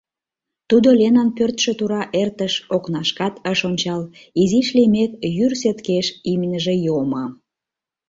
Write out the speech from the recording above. Тудо Ленан пӧртшӧ тура эртыш, окнашкат ыш ончал, изиш лиймек, йӱр сеткеш имньыже йомо.